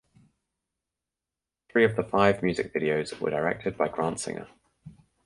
Three of the five music videos were directed by Grant Singer.